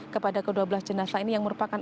kepada kedua belas jenazah ini yang merupakan